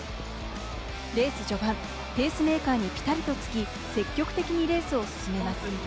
レース序盤、ペースメーカーにピタリとつき、積極的にレースを進めます。